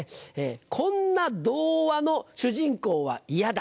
「こんな童話の主人公は嫌だ」。